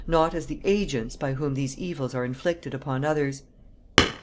not as the agents by whom these evils are inflicted upon others.